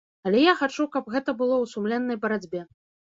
Але я хачу, каб гэта было ў сумленнай барацьбе.